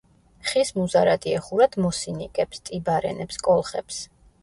ხის მუზარადი ეხურათ მოსინიკებს, ტიბარენებს, კოლხებს.